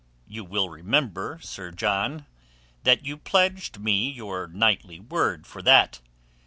You will remember, Sir John, that you pledged me your knightly word for that.